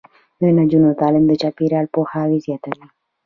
د نجونو تعلیم د چاپیریال پوهاوي زیاتوي.